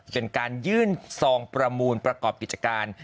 เป็นการยื่นซองประมูลประกอบกิจการ